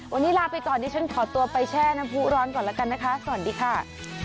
วันนี้ลาไปก่อนดิฉันขอตัวไปแช่น้ำผู้ร้อนก่อนแล้วกันนะคะสวัสดีค่ะ